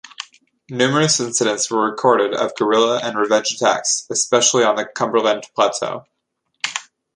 Numerous incidents were recorded of guerrilla and revenge attacks, especially on the Cumberland Plateau.